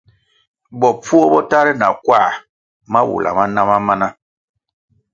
Bopfuo bo tahre na kwā mawula ma na ma mana.